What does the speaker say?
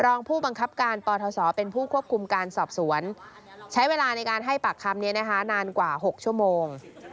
รองผู้บังคับการปทศเป็นผู้ควบคุมการสอบสวนใช้เวลาในการให้ปากคำนี้นะคะนานกว่า๖ชั่วโมง